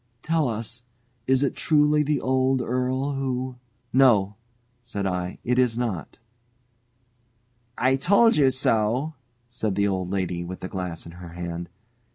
Tell us, is it truly the old earl who " "No," said I; "it is not." "I told you so," said the old lady, with the glass in her hand.